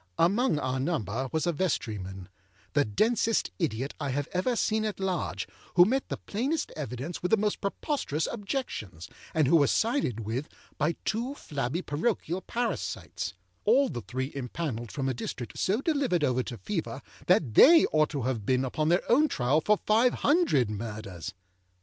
Among our number was a vestryman, âthe densest idiot I have ever seen at large, âwho met the plainest evidence with the most preposterous objections, and who was sided with by two flabby parochial parasites; all the three impanelled from a district so delivered over to Fever that they ought to have been upon their own trial for five hundred Murders.